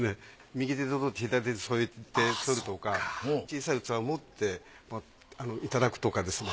右手と同時左手で添えて取るとか小さい器を持っていただくとかですね。